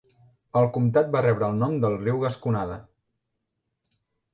El comtat va rebre el nom del riu Gasconade.